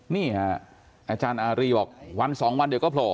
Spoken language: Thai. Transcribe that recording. นี่ค่ะอาจารย์อารีบอกวันสองวันเดี๋ยวก็โผล่